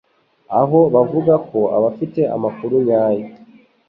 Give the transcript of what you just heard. aho bavuga ko abafite amakuru nyayo